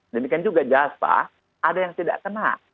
demikian juga jasa ada yang tidak kena